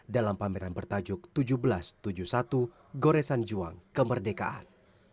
dalam pameran bertajuk seribu tujuh ratus tujuh puluh satu goresan juang kemerdekaan